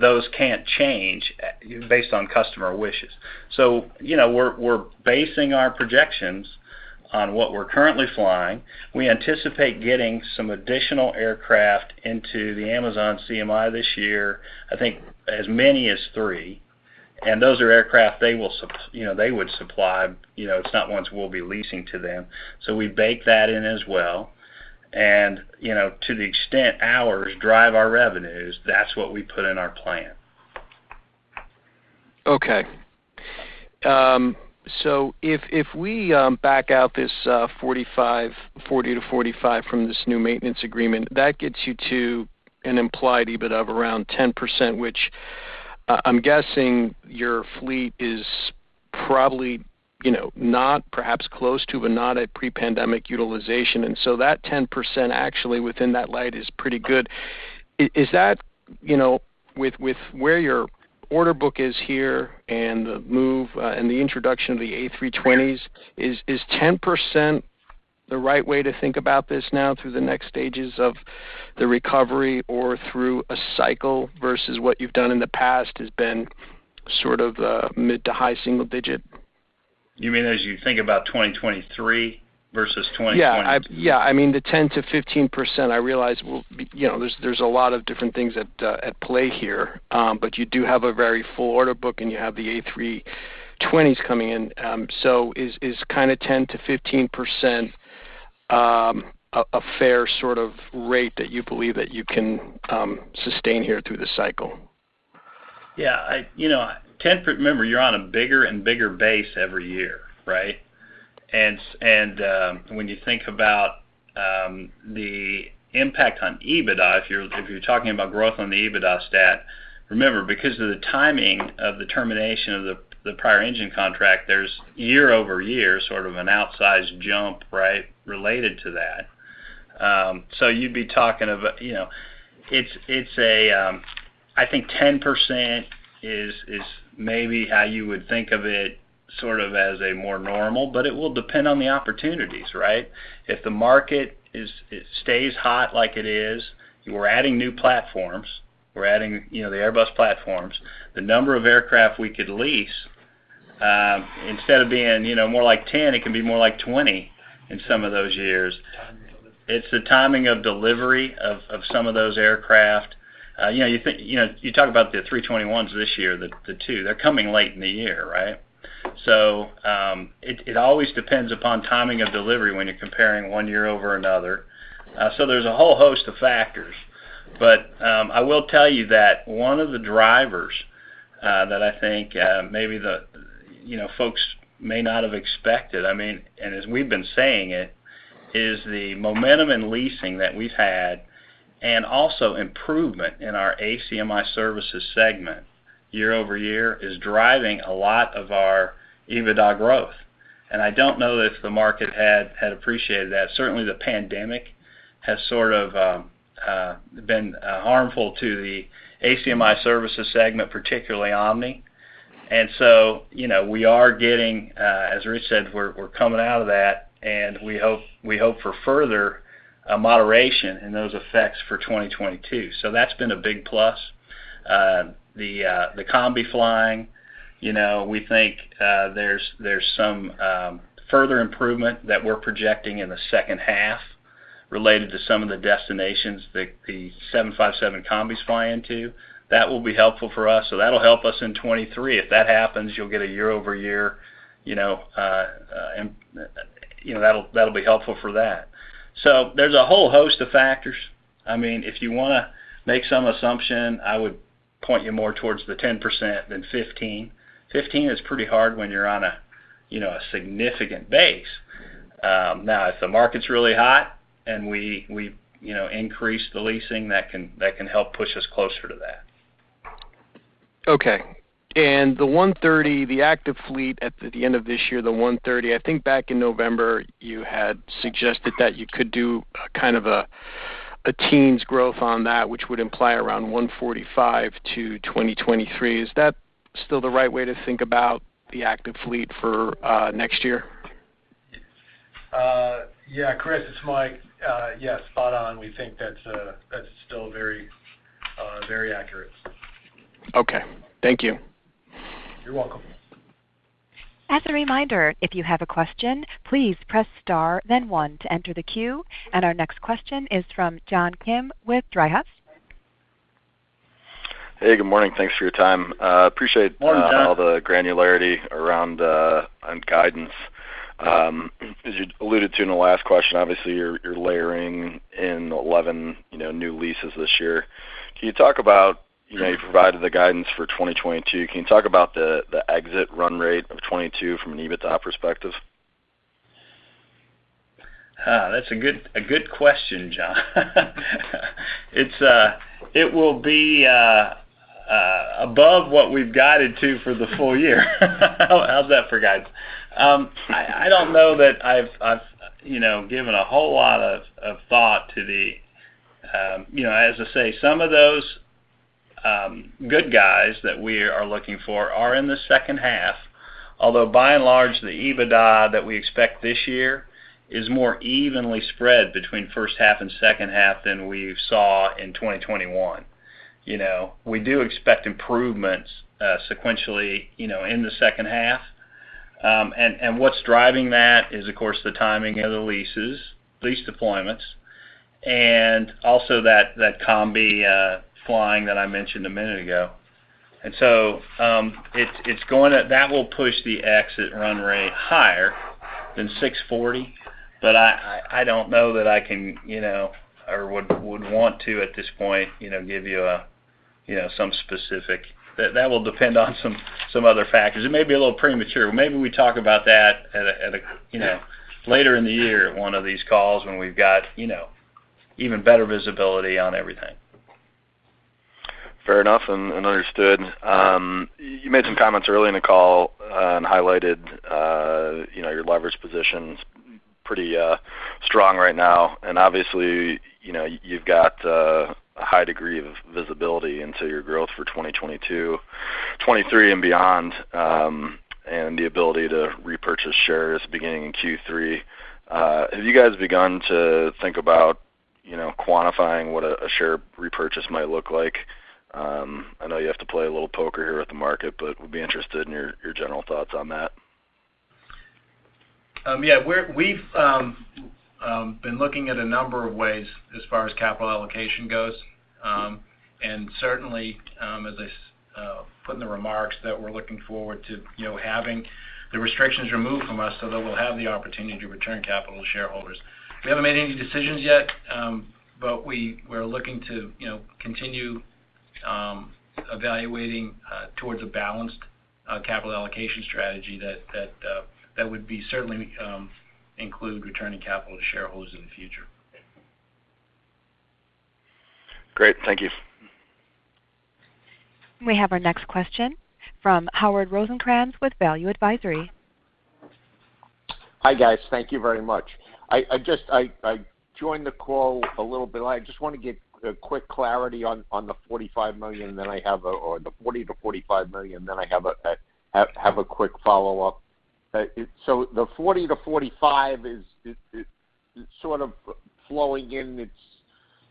those can't change based on customer wishes. You know, we're basing our projections on what we're currently flying. We anticipate getting some additional aircraft into the Amazon CMI this year, I think as many as three. Those are aircraft they would supply, you know, it's not ones we'll be leasing to them. We bake that in as well. You know, to the extent hours drive our revenues, that's what we put in our plan. Okay. So if we back out this 40-45 from this new maintenance agreement, that gets you to an implied EBIT of around 10%, which I'm guessing your fleet is probably, you know, not perhaps close to but not at pre-pandemic utilization. That 10% actually within that light is pretty good. Is that, you know, with where your order book is here and the move and the introduction of the A320s, is 10% the right way to think about this now through the next stages of the recovery or through a cycle versus what you've done in the past has been sort of mid- to high-single-digit? You mean as you think about 2023 versus 2022? Yeah. Yeah, I mean, the 10%-15%, I realize, well, you know, there's a lot of different things at play here. But you do have a very full order book, and you have the A321s coming in. Is kinda 10%-15% a fair sort of rate that you believe that you can sustain here through the cycle? Yeah. You know, remember, you're on a bigger and bigger base every year, right? When you think about the impact on EBITDA, if you're talking about growth on the EBITDA stat, remember, because of the timing of the termination of the prior engine contract, there's year-over-year sort of an outsized jump, right, related to that. You'd be talking of, you know. It's a, I think 10% is maybe how you would think of it sort of as a more normal, but it will depend on the opportunities, right? If the market stays hot like it is, we're adding new platforms, you know, the Airbus platforms. The number of aircraft we could lease, instead of being, you know, more like 10, it can be more like 20 in some of those years. It's the timing of delivery of some of those aircraft. You know, you talk about the 321s this year, the two, they're coming late in the year, right? It always depends upon timing of delivery when you're comparing one year over another. There's a whole host of factors. I will tell you that one of the drivers that I think maybe the, you know, folks may not have expected, I mean, and as we've been saying it, is the momentum in leasing that we've had and also improvement in our ACMI services segment year-over-year is driving a lot of our EBITDA growth. I don't know if the market had appreciated that. Certainly, the pandemic has sort of been harmful to the ACMI services segment, particularly Omni. You know, we are getting, as Rich said, we're coming out of that, and we hope for further moderation in those effects for 2022. That's been a big plus. The Combi flying, you know, we think, there's some further improvement that we're projecting in the second half related to some of the destinations the 757 Combis fly into. That will be helpful for us. That'll help us in 2023. If that happens, you'll get a year-over-year, you know, and, you know, that'll be helpful for that. There's a whole host of factors. I mean, if you wanna make some assumption, I would point you more towards the 10% than 15%. 15% is pretty hard when you're on a, you know, a significant base. Now, if the market's really hot and we you know increase the leasing, that can help push us closer to that. Okay. The 130, the active fleet at the end of this year, I think back in November, you had suggested that you could do a kind of teens growth on that, which would imply around 145 to 2023. Is that still the right way to think about the active fleet for next year? Yeah, Chris, it's Mike. Yes, spot on. We think that's still very accurate. Okay. Thank you. You're welcome. As a reminder, if you have a question, please press star then one to enter the queue. Our next question is from John Khym with Driehaus. Hey, good morning. Thanks for your time. Appreciate- Morning, John. All the granularity around on guidance. As you alluded to in the last question, obviously, you're layering in 11, you know, new leases this year. Can you talk about, you know, you provided the guidance for 2022. Can you talk about the exit run rate of 2022 from an EBITDA perspective? That's a good question, John. It will be above what we've guided to for the full year. How's that for guidance? I don't know that I've given a whole lot of thought to it, you know, as I say, some of those good guys that we are looking for are in the second half. Although, by and large, the EBITDA that we expect this year is more evenly spread between first half and second half than we saw in 2021. You know, we do expect improvements sequentially, you know, in the second half. And what's driving that is, of course, the timing of the leases, lease deployments, and also that combi flying that I mentioned a minute ago. So it's gonna... That will push the exit run rate higher than 640. I don't know that I can, you know, or would want to, at this point, you know, give you a, you know, some specific. That will depend on some other factors. It may be a little premature. Maybe we talk about that at a, you know, later in the year at one of these calls when we've got, you know, even better visibility on everything. Fair enough and understood. You made some comments early in the call and highlighted you know your leverage position's pretty strong right now. Obviously you know you've got a high degree of visibility into your growth for 2022, 2023 and beyond and the ability to repurchase shares beginning in Q3. Have you guys begun to think about you know quantifying what a share repurchase might look like? I know you have to play a little poker here with the market but would be interested in your general thoughts on that. Yeah, we've been looking at a number of ways as far as capital allocation goes. Certainly, as I put in the remarks that we're looking forward to, you know, having the restrictions removed from us so that we'll have the opportunity to return capital to shareholders. We haven't made any decisions yet, but we're looking to, you know, continue evaluating towards a balanced capital allocation strategy that would certainly include returning capital to shareholders in the future. Great. Thank you. We have our next question from Howard Rosencrans with Value Advisory. Hi, guys. Thank you very much. I just joined the call a little bit late. I just wanna get a quick clarity on the $45 million, then I have a or the $40 million-$45 million, then I have a quick follow-up. So the $40 million-$45 million is sort of flowing in.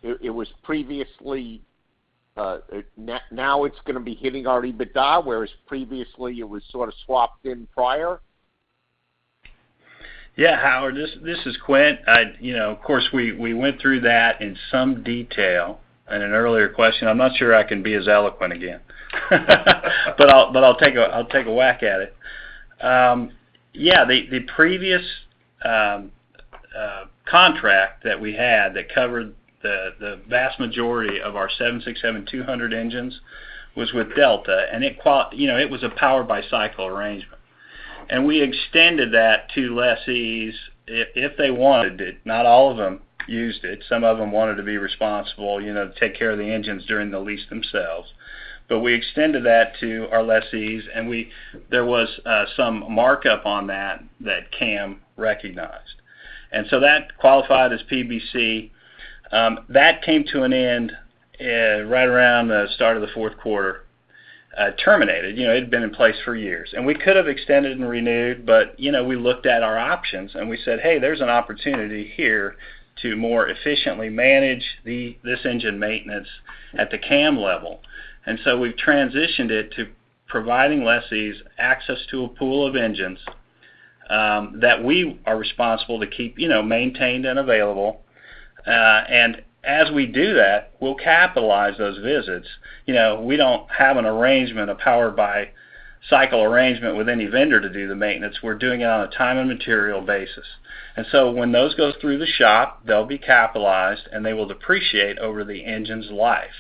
It was previously, now it's gonna be hitting our EBITDA, whereas previously, it was sort of swapped in prior? Yeah, Howard, this is Quint. You know, of course, we went through that in some detail in an earlier question. I'm not sure I can be as eloquent again. I'll take a whack at it. Yeah, the previous contract that we had that covered the vast majority of our 767-200 engines was with Delta, and you know, it was a power-by-the-cycle arrangement. We extended that to lessees if they wanted it. Not all of them used it. Some of them wanted to be responsible, you know, to take care of the engines during the lease themselves. We extended that to our lessees, and there was some markup on that that CAM recognized. That qualified as PBC. That came to an end right around the start of the fourth quarter, terminated. You know, it had been in place for years, and we could have extended and renewed, but, you know, we looked at our options and we said, "Hey, there's an opportunity here to more efficiently manage this engine maintenance at the CAM level." We've transitioned it to providing lessees access to a pool of engines that we are responsible to keep, you know, maintained and available. As we do that, we'll capitalize those visits. You know, we don't have an arrangement, a power-by-cycle arrangement with any vendor to do the maintenance. We're doing it on a time and material basis. When those go through the shop, they'll be capitalized, and they will depreciate over the engine's life.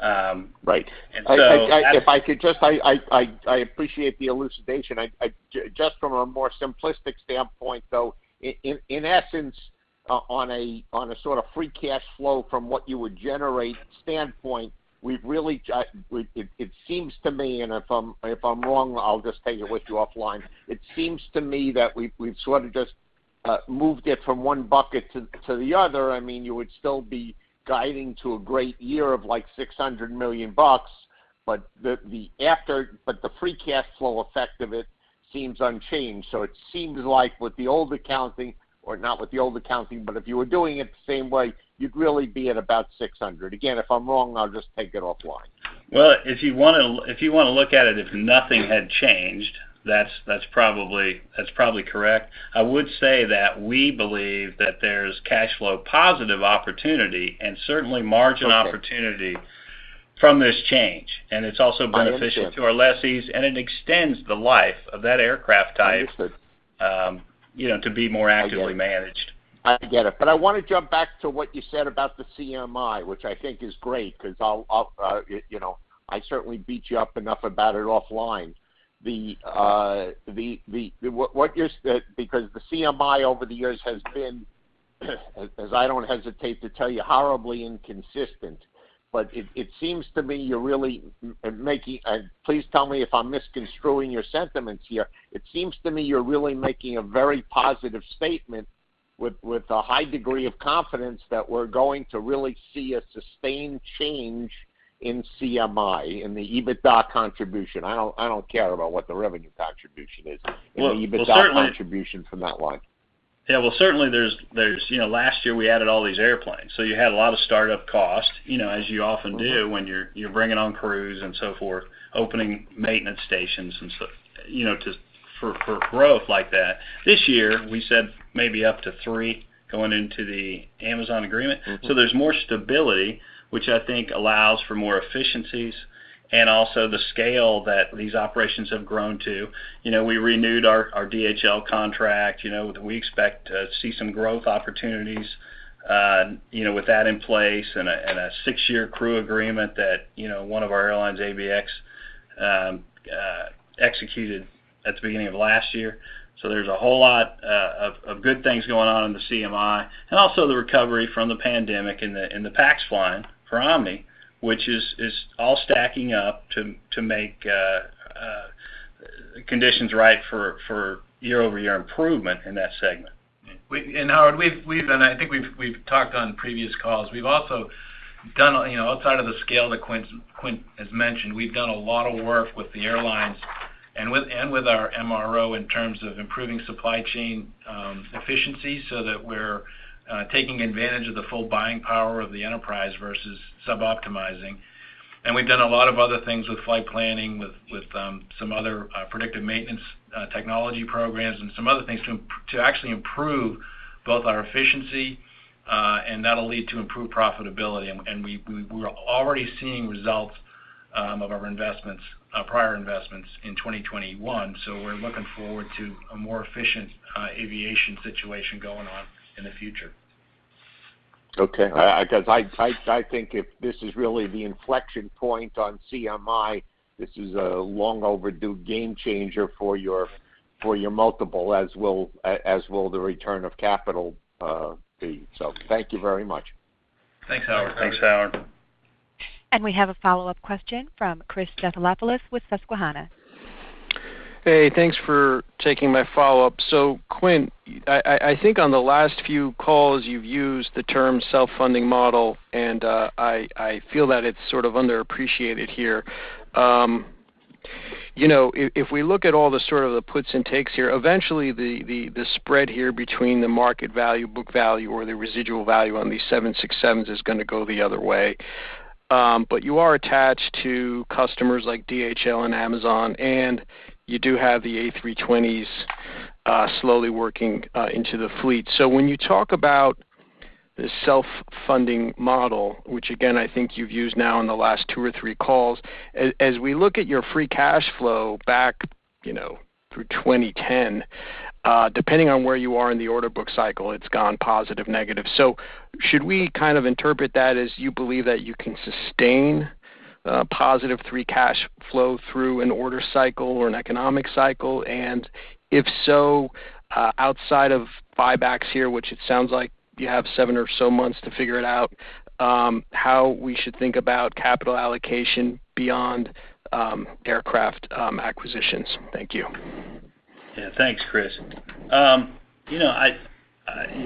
Right. And so that's- I appreciate the elucidation. Just from a more simplistic standpoint, though, in essence, on a sort of free cash flow from what you would generate standpoint, it seems to me, and if I'm wrong, I'll just take it with you offline. It seems to me that we've sort of just moved it from one bucket to the other. I mean, you would still be guiding to a great year of $600 million, but the free cash flow effect of it seems unchanged. It seems like with the old accounting, or not with the old accounting, but if you were doing it the same way, you'd really be at about $600 million. Again, if I'm wrong, I'll just take it offline. Well, if you wanna look at it, if nothing had changed, that's probably correct. I would say that we believe that there's cash flow positive opportunity and certainly margin opportunity from this change. It's also beneficial to our lessees, and it extends the life of that aircraft type. Understood You know, to be more actively managed. I get it. I wanna jump back to what you said about the CMI, which I think is great because I'll, you know, I certainly beat you up enough about it offline. The CMI over the years has been, as I don't hesitate to tell you, horribly inconsistent. It seems to me you're really making. Please tell me if I'm misconstruing your sentiments here. It seems to me you're really making a very positive statement with a high degree of confidence that we're going to really see a sustained change in CMI, in the EBITDA contribution. I don't care about what the revenue contribution is. Well, certainly The EBITDA contribution from that line. Yeah. Well, certainly there's. You know, last year we added all these airplanes, so you had a lot of start-up costs, you know, as you often do when you're bringing on crews and so forth, opening maintenance stations and so. You know, for growth like that. This year, we said maybe up to three going into the Amazon agreement. Mm-hmm. There's more stability, which I think allows for more efficiencies and also the scale that these operations have grown to. We renewed our DHL contract. We expect to see some growth opportunities with that in place and a six-year crew agreement that one of our airlines, ABX, executed at the beginning of last year. There's a whole lot of good things going on in the CMI, and also the recovery from the pandemic in the PAX line for Omni, which is all stacking up to make conditions right for year-over-year improvement in that segment. Howard, we've talked on previous calls. We've also done, you know, outside of the scale that Quint has mentioned, we've done a lot of work with the airlines and with our MRO in terms of improving supply chain efficiency so that we're taking advantage of the full buying power of the enterprise versus suboptimizing. We've done a lot of other things with flight planning, with some other predictive maintenance technology programs and some other things to actually improve both our efficiency, and that'll lead to improved profitability. We're already seeing results of our prior investments in 2021, so we're looking forward to a more efficient aviation situation going on in the future. Okay. 'Cause I think if this is really the inflection point on CMI, this is a long overdue game changer for your multiple, as will the return of capital be. Thank you very much. Thanks, Howard. Thanks, Howard. We have a follow-up question from Christopher Stathoulopoulos with Susquehanna. Hey, thanks for taking my follow-up. Quint, I think on the last few calls, you've used the term self-funding model, and I feel that it's sort of underappreciated here. You know, if we look at all the sort of the puts and takes here, eventually the spread here between the market value, book value, or the residual value on these 767s is gonna go the other way. But you are attached to customers like DHL and Amazon, and you do have the A321s slowly working into the fleet. When you talk about the self-funding model, which again I think you've used now in the last two or three calls, as we look at your free cash flow back, you know, through 2010, depending on where you are in the order book cycle, it's gone positive, negative. Should we kind of interpret that as you believe that you can sustain positive free cash flow through an order cycle or an economic cycle? If so, outside of buybacks here, which it sounds like you have seven or so months to figure it out, how we should think about capital allocation beyond aircraft acquisitions? Thank you. Yeah. Thanks, Chris. When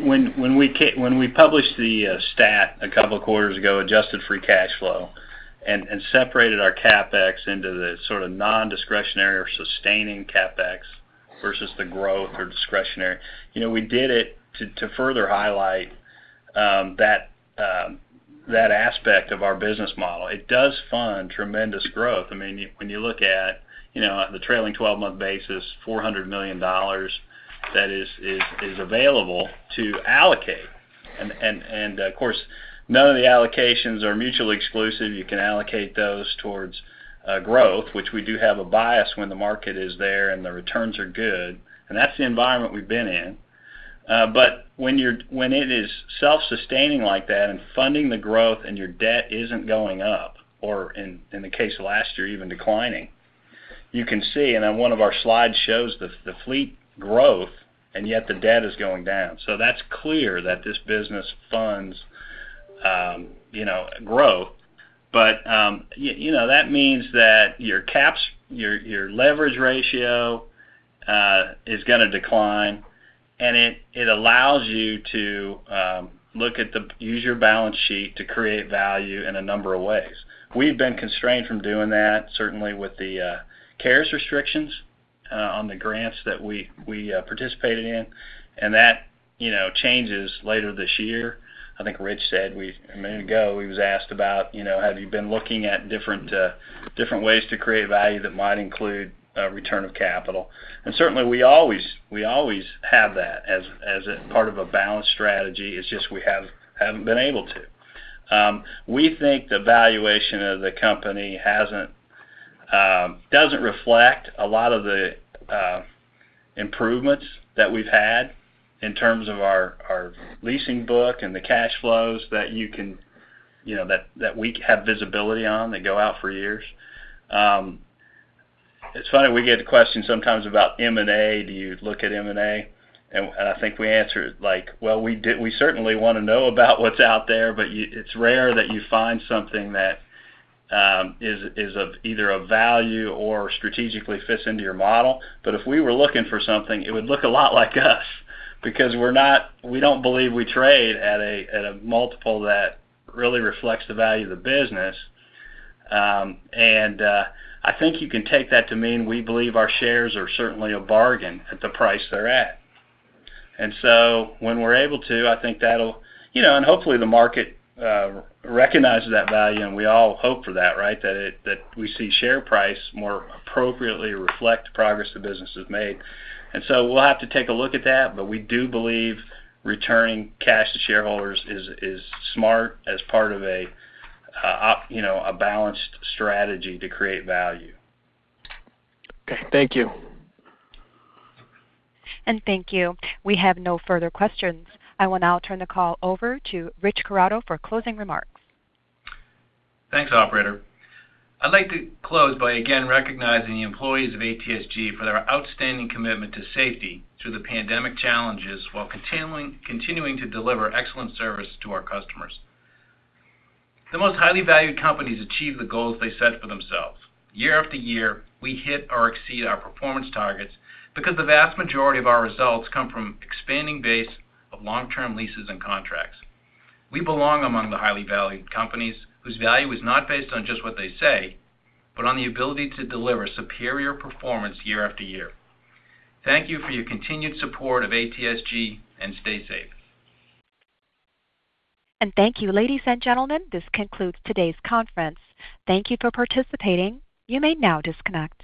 we published the stat a couple of quarters ago, adjusted free cash flow, and separated our CapEx into the sort of nondiscretionary or sustaining CapEx versus the growth or discretionary, you know, we did it to further highlight that aspect of our business model. It does fund tremendous growth. I mean, when you look at, you know, the trailing twelve-month basis, $400 million that is available to allocate. Of course, none of the allocations are mutually exclusive. You can allocate those towards growth, which we do have a bias when the market is there and the returns are good, and that's the environment we've been in. When it is self-sustaining like that and funding the growth and your debt isn't going up or in the case of last year, even declining, you can see, and then one of our slides shows the fleet growth, and yet the debt is going down. That's clear that this business funds growth. You know that means that your CapEx, your leverage ratio is gonna decline, and it allows you to use your balance sheet to create value in a number of ways. We've been constrained from doing that, certainly with the CARES restrictions on the grants that we participated in, and that changes later this year. I think Rich said we've... A minute ago, he was asked about, you know, have you been looking at different ways to create value that might include a return of capital? Certainly, we always have that as a part of a balanced strategy. It's just we haven't been able to. We think the valuation of the company doesn't reflect a lot of the improvements that we've had in terms of our leasing book and the cash flows that you can, you know, that we have visibility on, that go out for years. It's funny, we get the question sometimes about M&A. Do you look at M&A? I think we answered like, well, we do, we certainly wanna know about what's out there, but you... It's rare that you find something that is of either value or strategically fits into your model. If we were looking for something, it would look a lot like us because we don't believe we trade at a multiple that really reflects the value of the business. I think you can take that to mean we believe our shares are certainly a bargain at the price they're at. When we're able to, I think that'll. You know, hopefully the market recognizes that value, and we all hope for that, right? That we see share price more appropriately reflect the progress the business has made. We'll have to take a look at that, but we do believe returning cash to shareholders is smart as part of a, you know, a balanced strategy to create value. Okay. Thank you. Thank you. We have no further questions. I will now turn the call over to Rich Corrado for closing remarks. Thanks, operator. I'd like to close by again recognizing the employees of ATSG for their outstanding commitment to safety through the pandemic challenges while continuing to deliver excellent service to our customers. The most highly valued companies achieve the goals they set for themselves. Year after year, we hit or exceed our performance targets because the vast majority of our results come from expanding base of long-term leases and contracts. We belong among the highly valued companies whose value is not based on just what they say, but on the ability to deliver superior performance year after year. Thank you for your continued support of ATSG, and stay safe. Thank you. Ladies and gentlemen, this concludes today's conference. Thank you for participating. You may now disconnect.